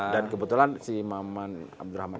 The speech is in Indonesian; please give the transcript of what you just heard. dan kebetulan si maman abdurrahman